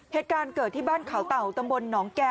เหตุการณ์เกิดที่บ้านเขาเต่าตำบลหนองแก่